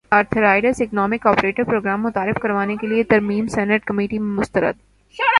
authorised economic operator programme متعارف کروانے کیلئے ترمیم سینیٹ کمیٹی میں مسترد